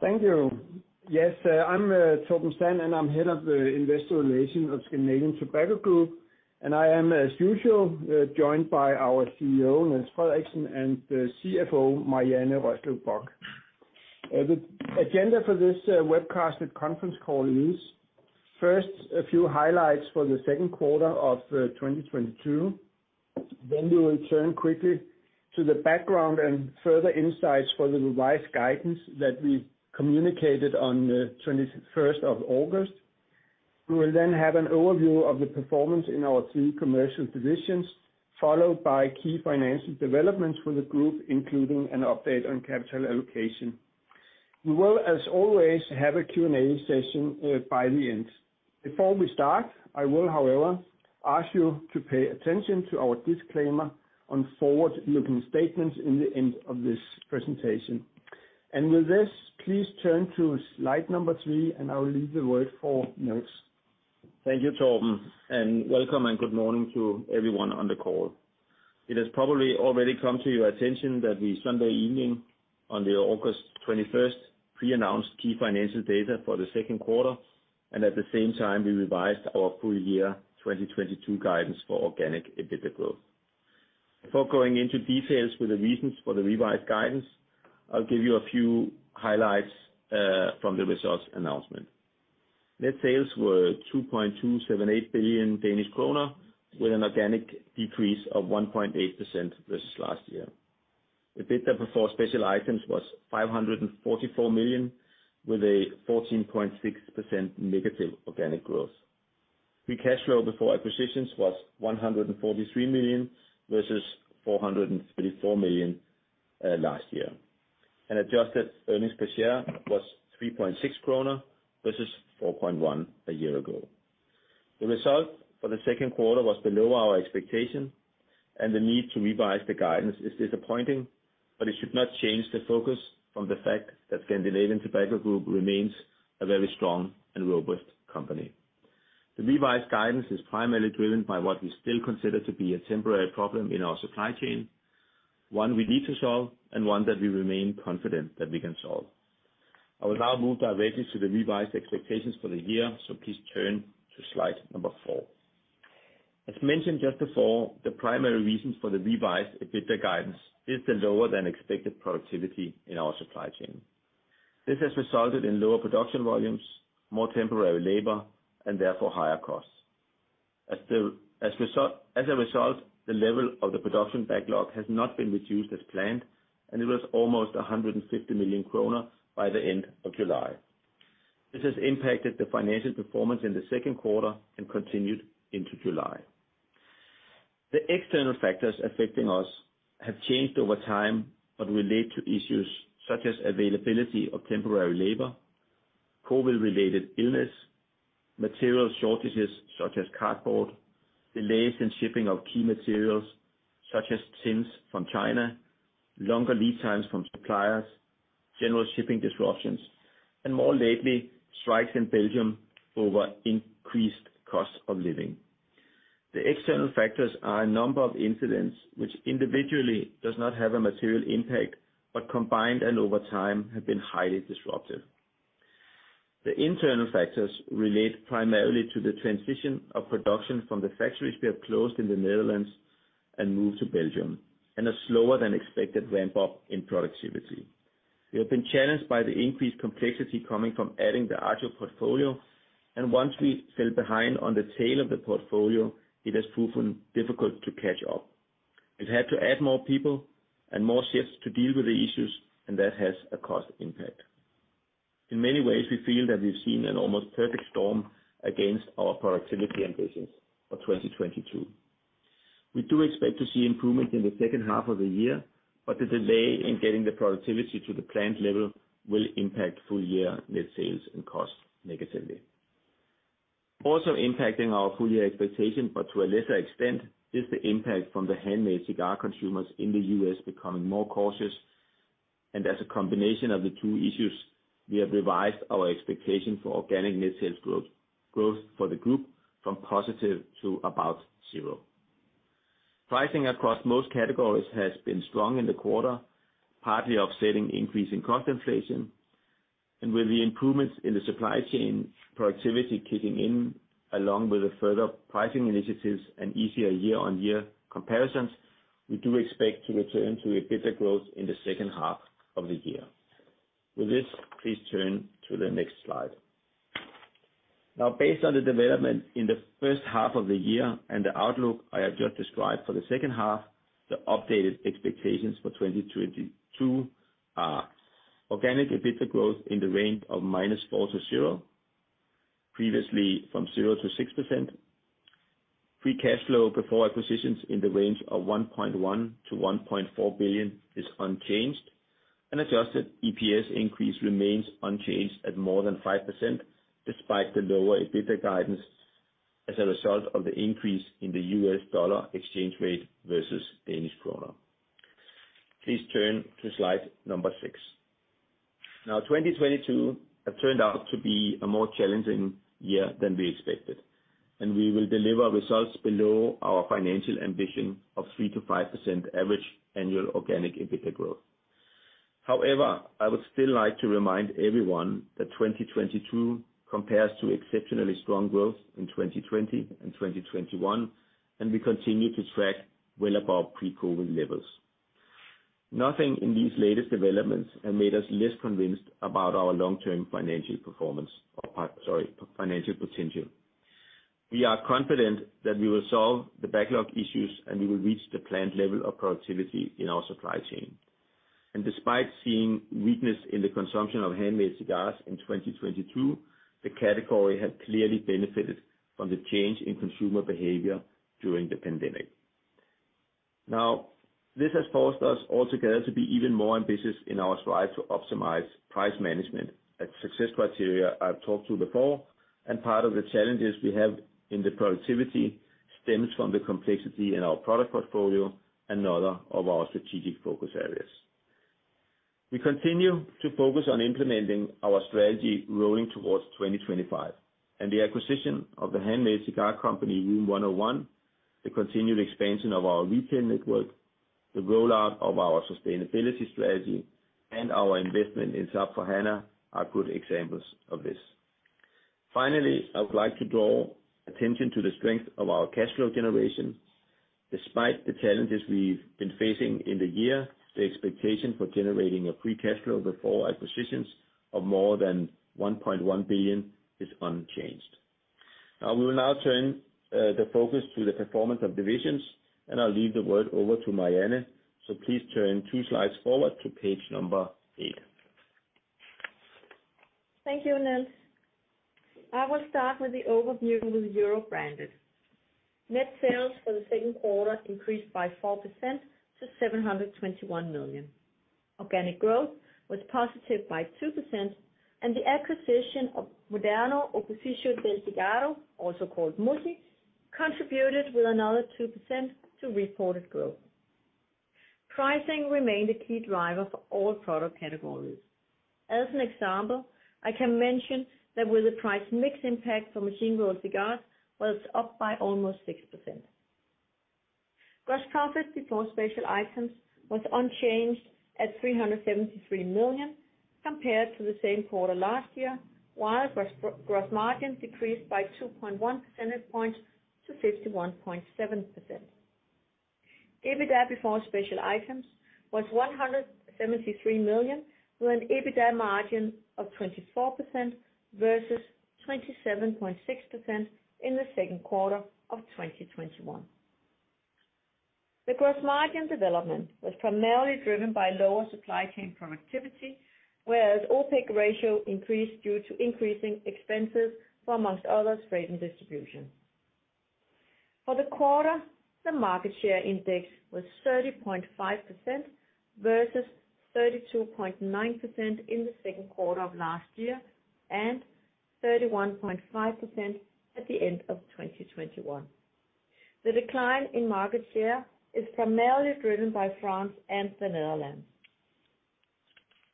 Thank you. Yes, I'm Torben Sand, and I'm head of Investor Relations of Scandinavian Tobacco Group, and I am, as usual, joined by our CEO, Niels Frederiksen, and CFO, Marianne Rørslev Bock. The agenda for this webcasted conference call is first, a few highlights for the second quarter of 2022. We will turn quickly to the background and further insights for the revised guidance that we communicated on the 21st of August. We will then have an overview of the performance in our three commercial divisions, followed by key financial developments for the group, including an update on capital allocation. We will, as always, have a Q&A session by the end. Before we start, I will, however, ask you to pay attention to our disclaimer on forward-looking statements in the end of this presentation. With this, please turn to slide number three, and I will leave the word for Niels. Thank you, Torben, and welcome and good morning to everyone on the call. It has probably already come to your attention that we, on Sunday evening, on the August 21st, pre-announced key financial data for the second quarter, and at the same time, we revised our full year 2022 guidance for organic EBITDA growth. Before going into details for the reasons for the revised guidance, I'll give you a few highlights from the results announcement. Net sales were 2.278 billion Danish kroner with an organic decrease of 1.8% versus last year. EBITDA before special items was 544 million, with a 14.6% negative organic growth. Free cash flow before acquisitions was 143 million versus 434 million last year. Adjusted earnings per share was 3.6 kroner versus 4.1 a year ago. The result for the second quarter was below our expectation, and the need to revise the guidance is disappointing, but it should not change the focus from the fact that Scandinavian Tobacco Group remains a very strong and robust company. The revised guidance is primarily driven by what we still consider to be a temporary problem in our supply chain, one we need to solve and one that we remain confident that we can solve. I will now move directly to the revised expectations for the year, so please turn to slide number 4. As mentioned just before, the primary reasons for the revised EBITDA guidance is the lower-than-expected productivity in our supply chain. This has resulted in lower production volumes, more temporary labor, and therefore higher costs. As a result, the level of the production backlog has not been reduced as planned, and it was almost 150 million kroner by the end of July. This has impacted the financial performance in the second quarter and continued into July. The external factors affecting us have changed over time, but relate to issues such as availability of temporary labor, COVID-related illness, material shortages such as cardboard, delays in shipping of key materials such as tins from China, longer lead times from suppliers, general shipping disruptions, and more lately, strikes in Belgium over increased costs of living. The external factors are a number of incidents which individually does not have a material impact, but combined and over time have been highly disruptive. The internal factors relate primarily to the transition of production from the factories we have closed in the Netherlands and moved to Belgium, and a slower-than-expected ramp-up in productivity. We have been challenged by the increased complexity coming from adding the Agio portfolio, and once we fell behind on the tail of the portfolio, it has proven difficult to catch up. We've had to add more people and more shifts to deal with the issues, and that has a cost impact. In many ways, we feel that we've seen an almost perfect storm against our productivity ambitions for 2022. We do expect to see improvement in the second half of the year, but the delay in getting the productivity to the planned level will impact full year net sales and costs negatively. Also impacting our full-year expectation, but to a lesser extent, is the impact from the handmade cigar consumers in the U.S. becoming more cautious. As a combination of the two issues, we have revised our expectation for organic net sales growth for the group from positive to about zero. Pricing across most categories has been strong in the quarter, partly offsetting increasing cost inflation. With the improvements in the supply chain productivity kicking in along with the further pricing initiatives and easier year-on-year comparisons, we do expect to return to EBITDA growth in the second half of the year. With this, please turn to the next slide. Now based on the development in the first half of the year and the outlook I have just described for the second half, the updated expectations for 2022 are: organic EBITDA growth in the range of -4%-0%, previously 0%-6%. Free cash flow before acquisitions in the range of 1.1 billion-1.4 billion is unchanged. Adjusted EPS increase remains unchanged at more than 5% despite the lower EBITDA guidance as a result of the increase in the US dollar exchange rate versus Danish kroner. Please turn to slide number 6. Now, 2022 has turned out to be a more challenging year than we expected. We will deliver results below our financial ambition of 3%-5% average annual organic EBITDA growth. However, I would still like to remind everyone that 2022 compares to exceptionally strong growth in 2020 and 2021, and we continue to track well above pre-COVID levels. Nothing in these latest developments have made us less convinced about our long-term financial performance or, sorry, financial potential. We are confident that we will solve the backlog issues, and we will reach the planned level of productivity in our supply chain. Despite seeing weakness in the consumption of handmade cigars in 2022, the category has clearly benefited from the change in consumer behavior during the pandemic. Now, this has forced us all together to be even more ambitious in our strive to optimize price management. A success criteria I've talked to before, and part of the challenges we have in the productivity stems from the complexity in our product portfolio, another of our strategic focus areas. We continue to focus on implementing our strategy rolling towards 2025, and the acquisition of the handmade cigar company Room101, the continued expansion of our retail network, the rollout of our sustainability strategy, and our investment in SAP S/4HANA are good examples of this. Finally, I would like to draw attention to the strength of our cash flow generation. Despite the challenges we've been facing in the year, the expectation for generating a free cash flow before acquisitions of more than 1.1 billion is unchanged. Now, we will turn the focus to the performance of divisions, and I'll hand the word over to Marianne Rørslev Bock. Please turn two slides forward to page eight. Thank you, Niels. I will start with the overview with Europe Branded. Net sales for the second quarter increased by 4% to 721 million. Organic growth was positive by 2%, and the acquisition of Moderno Opificio del Sigaro Italiano, also called MOSI, contributed with another 2% to reported growth. Pricing remained a key driver for all product categories. As an example, I can mention that the price mix impact for machine-rolled cigars was up by almost 6%. Gross profit before special items was unchanged at 373 million compared to the same quarter last year, while gross margin decreased by 2.1 percentage points to 51.7%. EBITDA before special items was 173 million, with an EBITDA margin of 24% versus 27.6% in the second quarter of 2021. The gross margin development was primarily driven by lower supply chain productivity, whereas OpEx ratio increased due to increasing expenses for, among others, freight and distribution. For the quarter, the market share index was 30.5% versus 32.9% in the second quarter of last year and 31.5% at the end of 2021. The decline in market share is primarily driven by France and the Netherlands.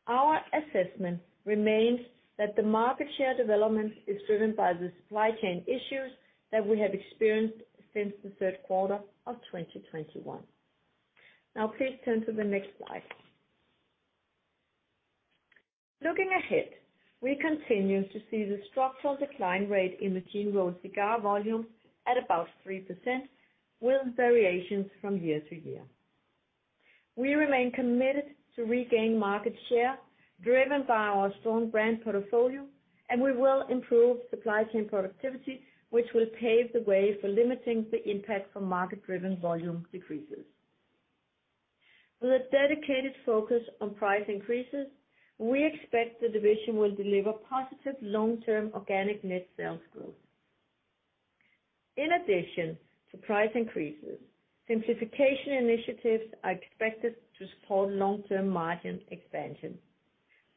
Our assessment remains that the market share development is driven by the supply chain issues that we have experienced since the third quarter of 2021. Now please turn to the next slide. Looking ahead, we continue to see the structural decline rate in machine-rolled cigar volume at about 3%, with variations from year to year. We remain committed to regain market share driven by our strong brand portfolio, and we will improve supply chain productivity, which will pave the way for limiting the impact from market-driven volume decreases. With a dedicated focus on price increases, we expect the division will deliver positive long-term organic net sales growth. In addition to price increases, simplification initiatives are expected to support long-term margin expansion.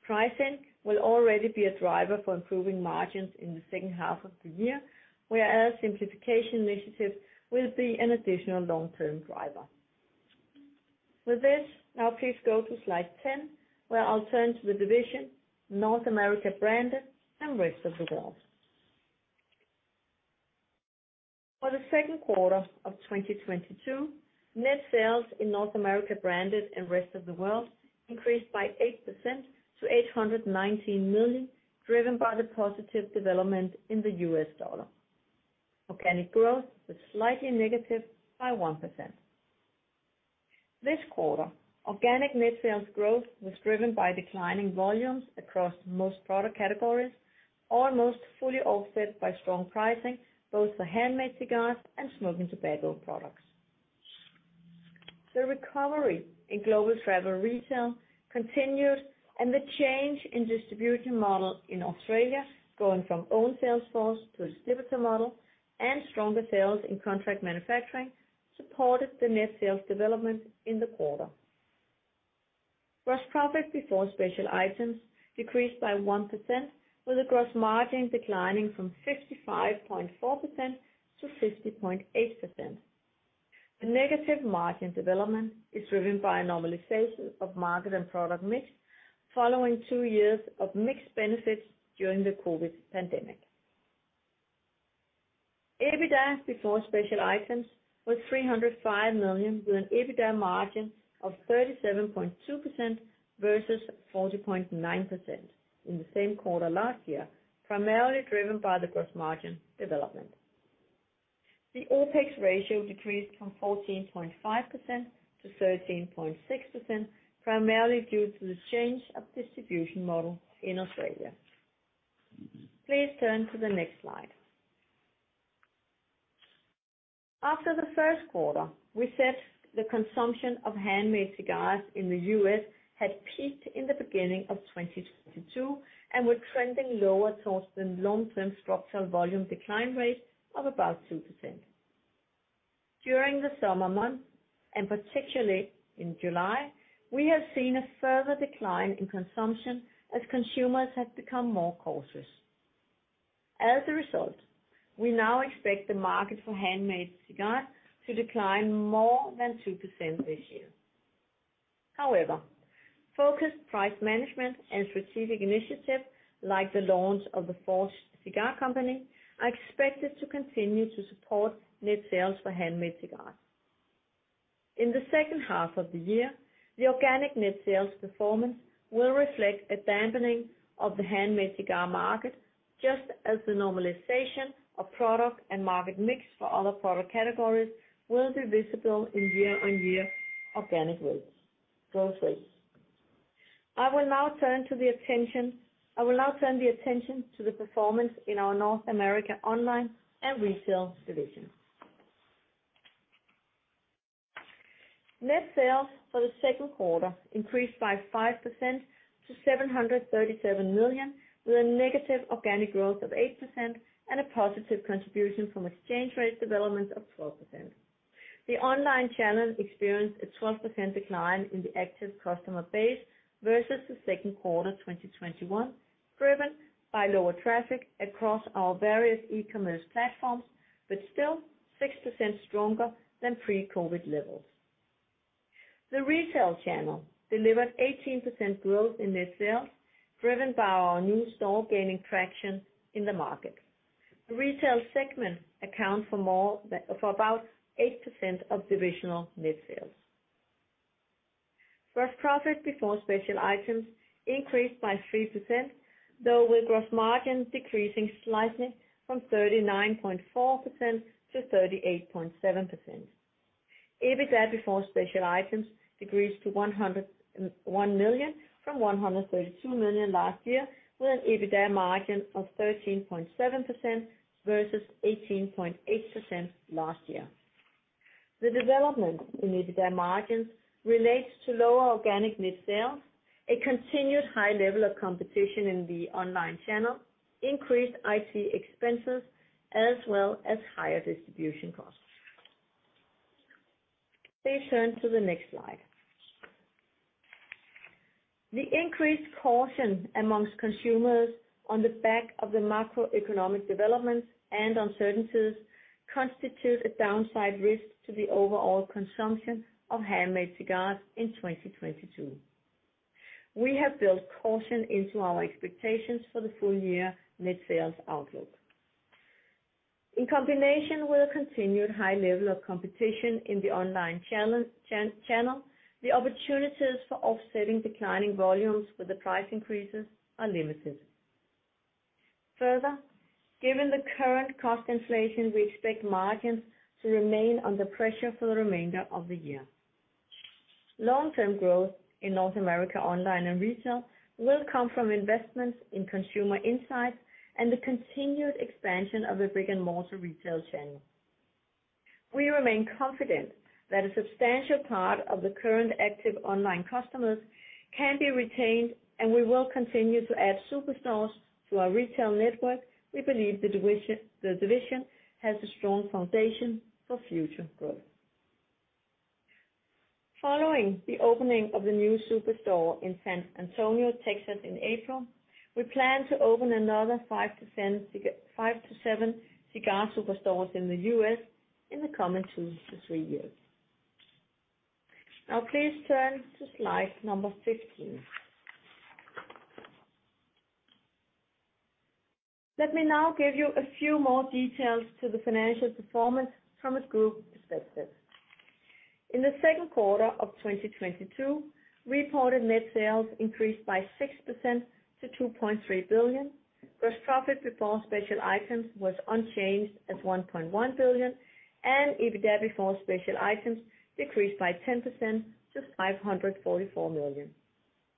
Pricing will already be a driver for improving margins in the second half of the year, whereas simplification initiatives will be an additional long-term driver. With this, now please go to slide 10, where I'll turn to the division North America Branded and Rest of World. For the second quarter of 2022, net sales in North America Branded and Rest of World increased by 8% to 819 million, driven by the positive development in the US dollar. Organic growth was slightly negative by 1%. This quarter, organic net sales growth was driven by declining volumes across most product categories, almost fully offset by strong pricing, both for handmade cigars and smoking tobacco products. The recovery in global travel retail continued and the change in distribution model in Australia, going from own sales force to a distributor model and stronger sales in contract manufacturing, supported the net sales development in the quarter. Gross profit before special items decreased by 1%, with the gross margin declining from 55.4%-50.8%. The negative margin development is driven by a normalization of market and product mix following two years of mixed benefits during the COVID pandemic. EBITDA before special items was 305 million, with an EBITDA margin of 37.2% versus 40.9% in the same quarter last year, primarily driven by the gross margin development. The OpEx ratio decreased from 14.5%-13.6%, primarily due to the change of distribution model in Australia. Please turn to the next slide. After the first quarter, we said the consumption of handmade cigars in the U.S. had peaked in the beginning of 2022, and were trending lower towards the long-term structural volume decline rate of about 2%. During the summer months, and particularly in July, we have seen a further decline in consumption as consumers have become more cautious. As a result, we now expect the market for handmade cigars to decline more than 2% this year. However, focused price management and strategic initiatives, like the launch of the Forged Cigar Company, are expected to continue to support net sales for handmade cigars. In the second half of the year, the organic net sales performance will reflect a dampening of the handmade cigar market, just as the normalization of product and market mix for other product categories will be visible in year-on-year organic growth rates. I will now turn the attention to the performance in our North America Online and Retail division. Net sales for the second quarter increased by 5% to 737 million, with a negative organic growth of 8% and a positive contribution from exchange rate development of 12%. The online channel experienced a 12% decline in the active customer base versus the second quarter 2021, driven by lower traffic across our various e-commerce platforms, but still 6% stronger than pre-COVID levels. The retail channel delivered 18% growth in net sales, driven by our new store gaining traction in the market. The retail segment accounts for about 8% of divisional net sales. Gross profit before special items increased by 3%, though with gross margin decreasing slightly from 39.4% to 38.7%. EBITDA before special items decreased to 101 million from 132 million last year, with an EBITDA margin of 13.7% versus 18.8% last year. The development in EBITDA margins relates to lower organic net sales, a continued high level of competition in the online channel, increased IT expenses, as well as higher distribution costs. Please turn to the next slide. The increased caution among consumers on the back of the macroeconomic developments and uncertainties constitute a downside risk to the overall consumption of handmade cigars in 2022. We have built caution into our expectations for the full year net sales outlook. In combination with a continued high level of competition in the online channel, the opportunities for offsetting declining volumes with the price increases are limited. Further, given the current cost inflation, we expect margins to remain under pressure for the remainder of the year. Long-term growth in North America Online and Retail will come from investments in consumer insights and the continued expansion of the brick-and-mortar retail channel. We remain confident that a substantial part of the current active online customers can be retained, and we will continue to add superstores to our retail network. We believe the division has a strong foundation for future growth. Following the opening of the new superstore in San Antonio, Texas in April, we plan to open another 5-7 cigar superstores in the US in the coming 2-3 years. Now please turn to slide 15. Let me now give you a few more details to the financial performance from a group perspective. In the second quarter of 2022, reported net sales increased by 6% to 2.3 billion. Gross profit before special items was unchanged at 1.1 billion, and EBITDA before special items decreased by 10% to 544 million.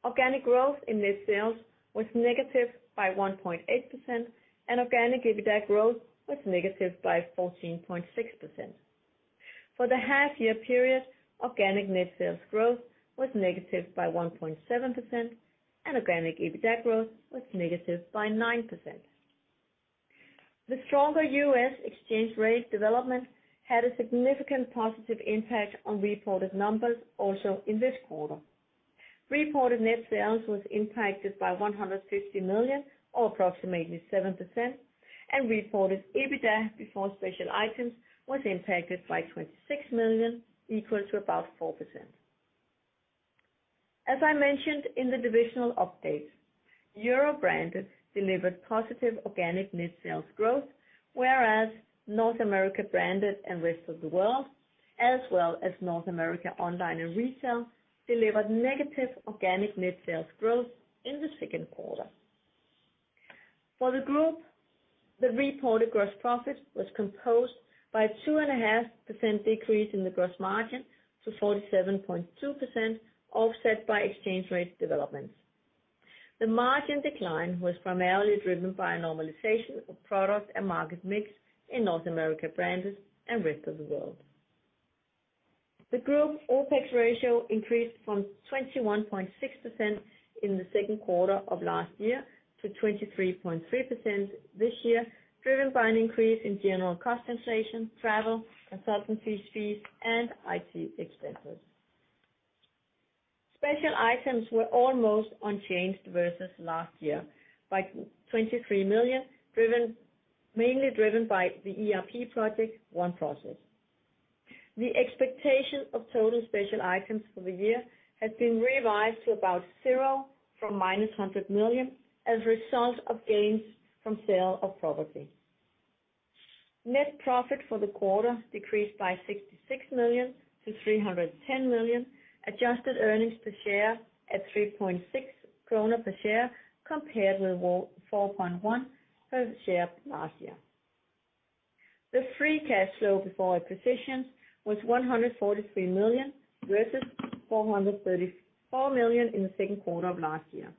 Organic growth in net sales was negative by 1.8%, and organic EBITDA growth was negative by 14.6%. For the half year period, organic net sales growth was negative by 1.7% and organic EBITDA growth was negative by 9%. The stronger USD exchange rate development had a significant positive impact on reported numbers also in this quarter. Reported net sales was impacted by 150 million or approximately 7%, and reported EBITDA before special items was impacted by 26 million, equal to about 4%. As I mentioned in the divisional update, Europe Branded delivered positive organic net sales growth, whereas North America Branded and Rest of World, as well as North America Online and Retail, delivered negative organic net sales growth in the second quarter. For the group, the reported gross profit was composed by 2.5% decrease in the gross margin to 47.2%, offset by exchange rate developments. The margin decline was primarily driven by a normalization of product and market mix in North America Branded and Rest of World. The group's OpEx ratio increased from 21.6% in the second quarter of last year to 23.3% this year, driven by an increase in general cost inflation, travel, consultancy fees, and IT expenses. Special items were almost unchanged versus last year by 23 million, mainly driven by the ERP project, OneProcess. The expectation of total special items for the year has been revised to about 0 from -100 million as a result of gains from sale of property. Net profit for the quarter decreased by 66 million to 310 million. Adjusted earnings per share at 3.6 krone per share compared with 4.1 per share last year. The free cash flow before acquisitions was 143 million versus 434 million in the second quarter of last year.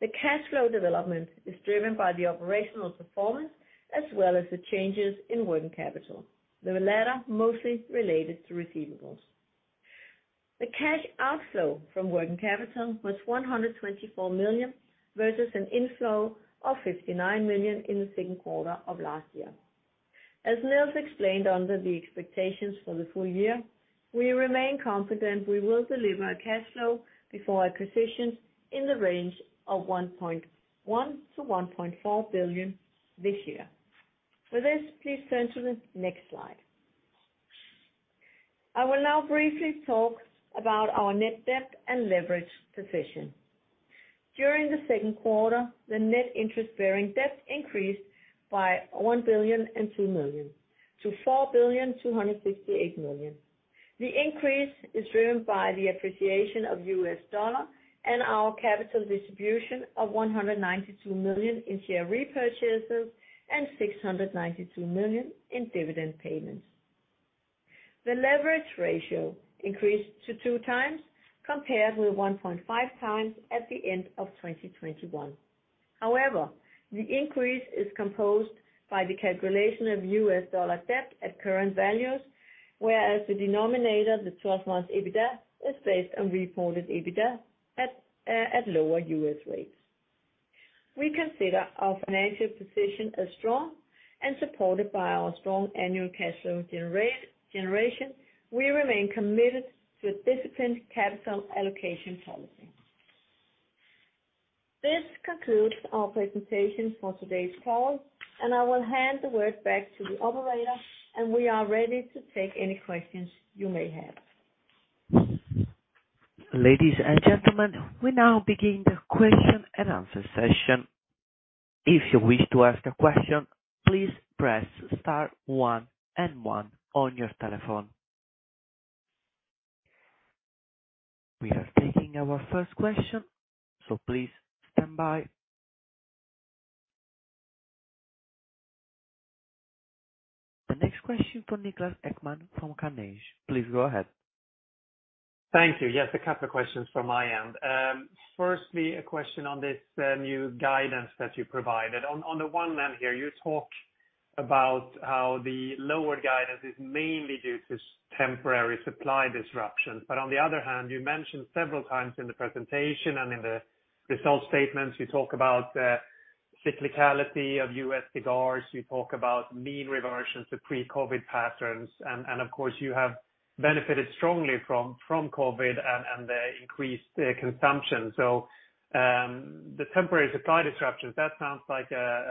The cash flow development is driven by the operational performance as well as the changes in working capital, the latter mostly related to receivables. The cash outflow from working capital was 124 million versus an inflow of 59 million in the second quarter of last year. As Niels explained under the expectations for the full year, we remain confident we will deliver a cash flow before acquisitions in the range of 1.1 billion-1.4 billion this year. For this, please turn to the next slide. I will now briefly talk about our net debt and leverage position. During the second quarter, the net interest-bearing debt increased by 1.002 billion to 4.268 billion. The increase is driven by the appreciation of US dollar and our capital distribution of 192 million in share repurchases and 692 million in dividend payments. The leverage ratio increased to 2x compared with 1.5x at the end of 2021. However, the increase is caused by the calculation of US dollar debt at current values, whereas the denominator, the 12 months EBITDA, is based on reported EBITDA at lower U.S. rates. We consider our financial position as strong and supported by our strong annual cash flow generation. We remain committed to a disciplined capital allocation policy. This concludes our presentation for today's call, and I will hand the word back to the operator, and we are ready to take any questions you may have. Ladies and gentlemen, we now begin the question and answer session. If you wish to ask a question, please press star one and one on your telephone. We are taking our first question, so please stand by. The next question for Niklas Ekman from Carnegie. Please go ahead. Thank you. Yes, a couple of questions from my end. Firstly, a question on this new guidance that you provided. On the one hand here, you talk about how the lower guidance is mainly due to temporary supply disruptions. But on the other hand, you mentioned several times in the presentation and in the result statements, you talk about the cyclicality of U.S. cigars. You talk about mean reversion to pre-COVID patterns. And of course, you have benefited strongly from COVID and the increased consumption. The temporary supply disruptions, that sounds like a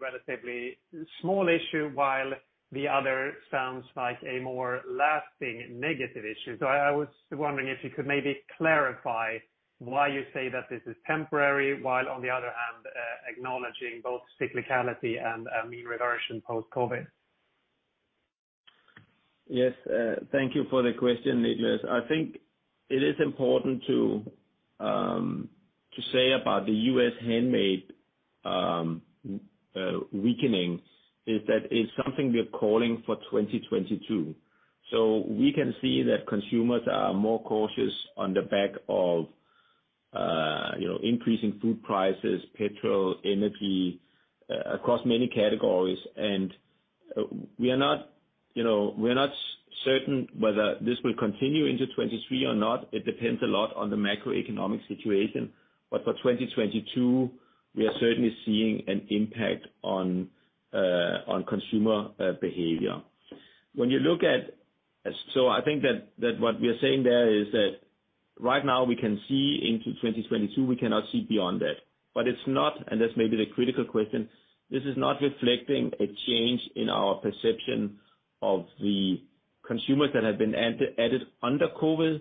relatively small issue, while the other sounds like a more lasting negative issue. I was wondering if you could maybe clarify why you say that this is temporary, while on the other hand, acknowledging both cyclicality and a mean reversion post-COVID. Yes. Thank you for the question, Niklas. I think it is important to say about the U.S. handmade weakening is that it's something we're calling for 2022. We can see that consumers are more cautious on the back of, you know, increasing food prices, petrol, energy, across many categories. We are not, you know, we are not certain whether this will continue into 2023 or not. It depends a lot on the macroeconomic situation. For 2022, we are certainly seeing an impact on consumer behavior. I think that what we are saying there is that right now we can see into 2022, we cannot see beyond that. It's not, and that's maybe the critical question. This is not reflecting a change in our perception of the consumers that have been added under COVID,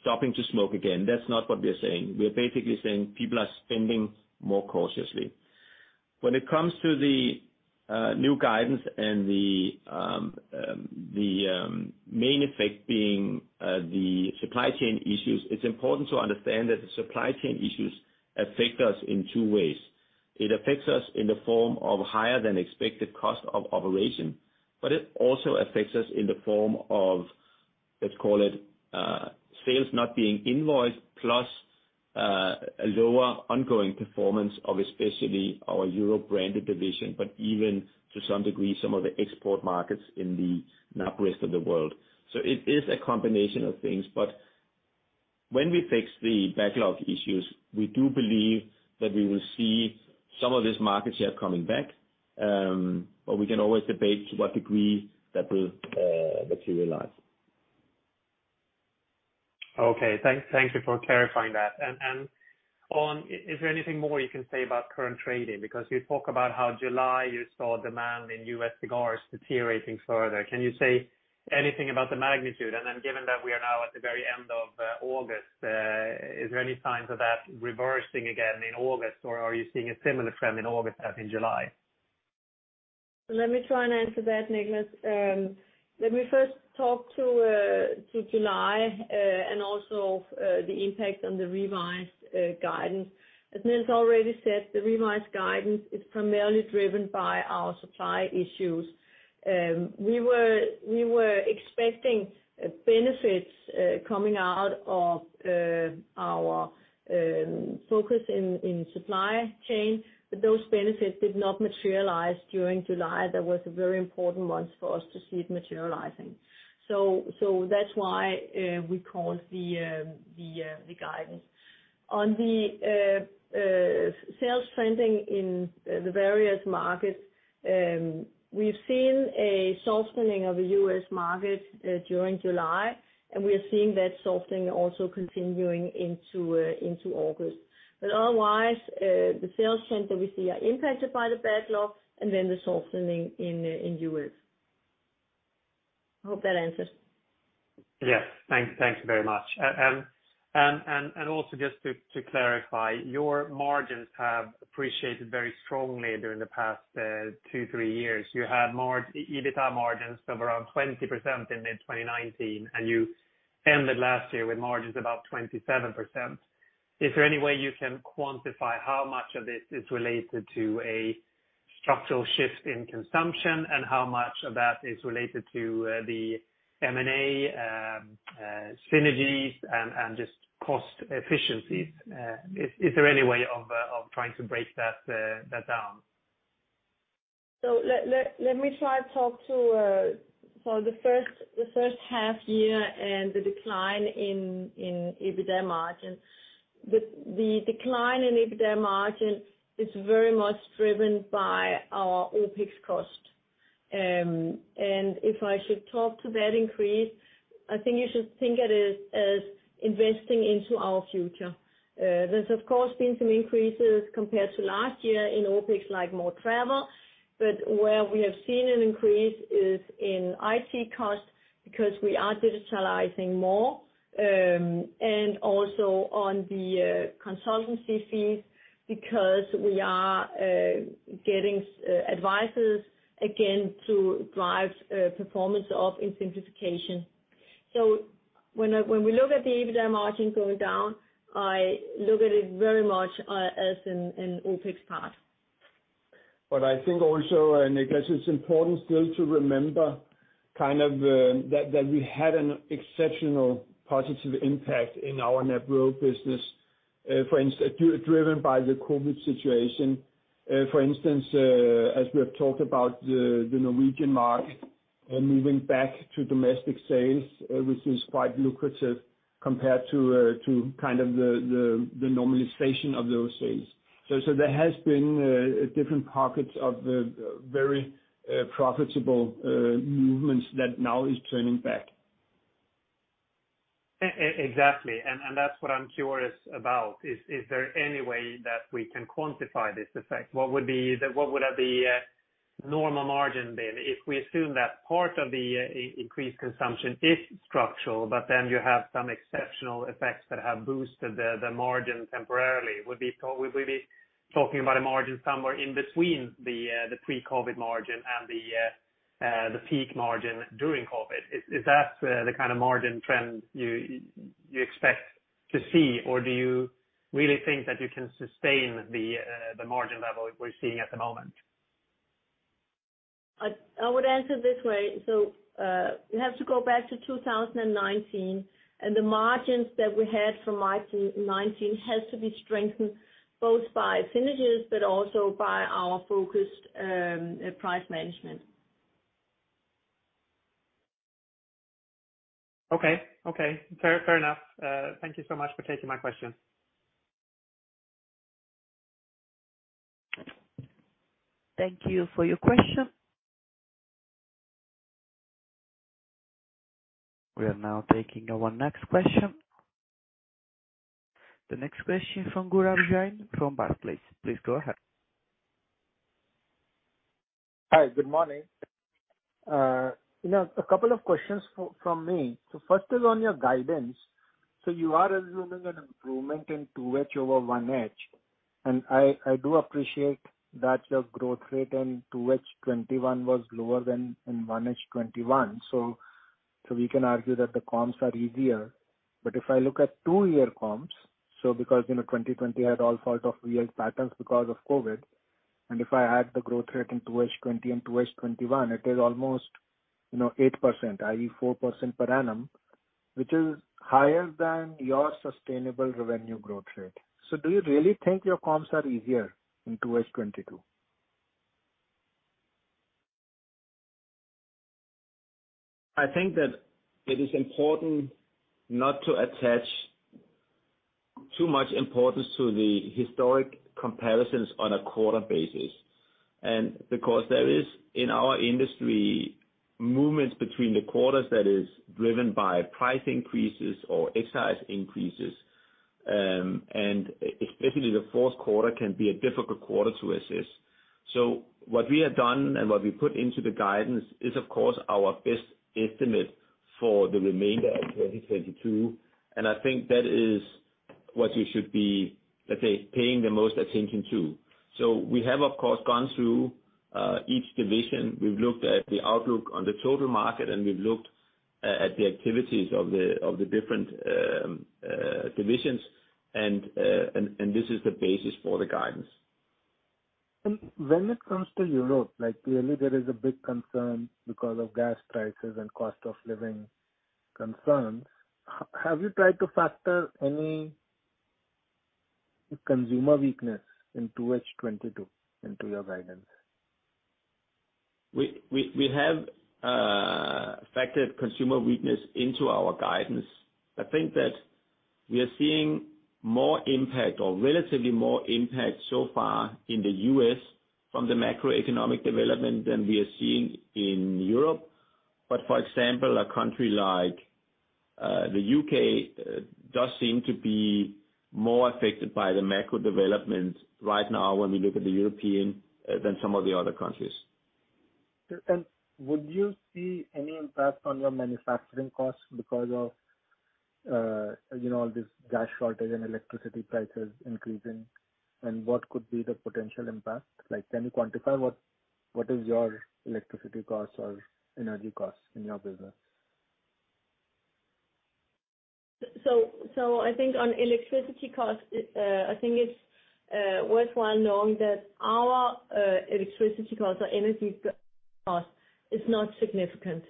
stopping to smoke again. That's not what we are saying. We are basically saying people are spending more cautiously. When it comes to the new guidance and the main effect being the supply chain issues, it's important to understand that the supply chain issues affect us in two ways. It affects us in the form of higher than expected cost of operation, but it also affects us in the form of, let's call it, sales not being invoiced plus a lower ongoing performance of especially our Europe Branded division, but even to some degree, some of the export markets in the North America Branded and Rest of World. It is a combination of things. When we fix the backlog issues, we do believe that we will see some of this market share coming back, but we can always debate to what degree that will materialize. Okay. Thank you for clarifying that. Is there anything more you can say about current trading? Because you talk about how July you saw demand in U.S. cigars deteriorating further. Can you say anything about the magnitude? Given that we are now at the very end of August, is there any signs of that reversing again in August, or are you seeing a similar trend in August as in July? Let me try and answer that, Niklas. Let me first talk about July and also the impact on the revised guidance. As Niels already said, the revised guidance is primarily driven by our supply issues. We were expecting benefits coming out of our focus on supply chain, but those benefits did not materialize during July. That was a very important month for us to see it materializing. That's why we lowered the guidance. On the sales trending in the various markets, we've seen a softening of the U.S. market during July, and we are seeing that softening also continuing into August. Otherwise, the sales trends that we see are impacted by the backlog and then the softening in the U.S. I hope that answers. Yes. Thank you very much. Also just to clarify, your margins have appreciated very strongly during the past 2-3 years. You had EBITDA margins of around 20% in mid-2019, and you ended last year with margins about 27%. Is there any way you can quantify how much of this is related to a structural shift in consumption, and how much of that is related to the M&A synergies and just cost efficiencies? Is there any way of trying to break that down? Let me try to talk about the first half year and the decline in EBITDA margins. The decline in EBITDA margin is very much driven by our OpEx cost. If I should talk to that increase, I think you should think of it as investing into our future. There's of course been some increases compared to last year in OpEx, like more travel, but where we have seen an increase is in IT costs because we are digitalizing more, and also in the consultancy fees because we are getting advice again to drive performance and simplification. When we look at the EBITDA margin going down, I look at it very much as an OpEx part. I think also, Niklas, it's important still to remember kind of that we had an exceptional positive impact in our Rest of World business, driven by the COVID situation. For instance, as we have talked about the Norwegian market moving back to domestic sales, which is quite lucrative compared to kind of the normalization of those sales. There has been different pockets of the very profitable movements that now is turning back. Exactly. That's what I'm curious about. Is there any way that we can quantify this effect? What would have the normal margin been if we assume that part of the increased consumption is structural, but then you have some exceptional effects that have boosted the margin temporarily? Would we be talking about a margin somewhere in between the pre-COVID margin and the peak margin during COVID? Is that the kind of margin trend you expect to see, or do you really think that you can sustain the margin level we're seeing at the moment? I would answer this way. You have to go back to 2019, and the margins that we had from 2019 has to be strengthened both by synergies but also by our focused price management. Okay. Fair enough. Thank you so much for taking my question. Thank you for your question. We are now taking our next question. The next question from Gaurav Jain from Barclays. Please go ahead. Hi. Good morning. You know, a couple of questions from me. First is on your guidance. You are assuming an improvement in 2H over 1H, and I do appreciate that your growth rate in 2H 2021 was lower than in 1H 2021. We can argue that the comps are easier. If I look at two-year comps, because you know, 2020 had all sorts of weird patterns because of COVID, and if I add the growth rate in 2H 2020 and 2H 2021, it is almost, you know, 8%, i.e. 4% per annum, which is higher than your sustainable revenue growth rate. Do you really think your comps are easier in 2H 2022? I think that it is important not to attach too much importance to the historic comparisons on a quarter basis. There is, in our industry, movements between the quarters that is driven by price increases or excise increases. Especially the fourth quarter can be a difficult quarter to assess. What we have done and what we put into the guidance is of course our best estimate for the remainder of 2022, and I think that is what you should be, let's say, paying the most attention to. We have of course gone through each division. We've looked at the outlook on the total market, and we've looked at the activities of the different divisions, and this is the basis for the guidance. When it comes to Europe, like clearly there is a big concern because of gas prices and cost of living concerns. Have you tried to factor any consumer weakness in 2H 2022 into your guidance? We have factored consumer weakness into our guidance. I think that we are seeing more impact or relatively more impact so far in the U.S. from the macroeconomic development than we are seeing in Europe. For example, a country like the U.K. does seem to be more affected by the macro developments right now when we look at the European than some of the other countries. Would you see any impact on your manufacturing costs because of, you know, this gas shortage and electricity prices increasing? What could be the potential impact? Like, can you quantify what your electricity costs or energy costs in your business? I think it's worthwhile knowing that our electricity costs or energy costs is not significant.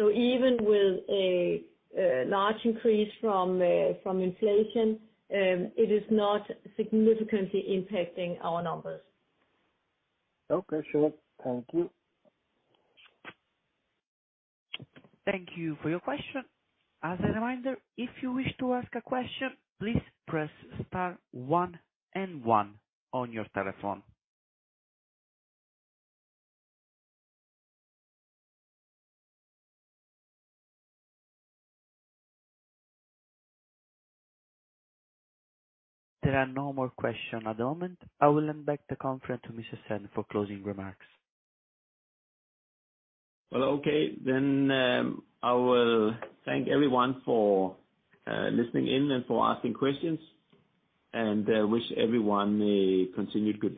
Even with a large increase from inflation, it is not significantly impacting our numbers. Okay, sure. Thank you. Thank you for your question. As a reminder, if you wish to ask a question, please press star one and one on your telephone. There are no more questions at the moment. I will hand back the conference to Mr. Sand for closing remarks. Well, okay. I will thank everyone for listening in and for asking questions, and wish everyone a continued good day.